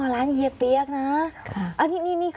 ร้านเฮียเปี๊ยกนะ